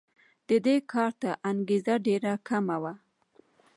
د دې کار ته انګېزه ډېره کمه وه.